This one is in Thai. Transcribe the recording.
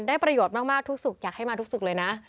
ประโยชน์มากทุกสุขอยากให้มาทุกสุขเลยนะ